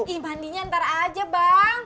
ih mandinya ntar aja bang